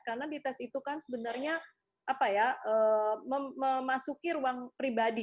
karena dites itu kan sebenarnya memasuki ruang pribadi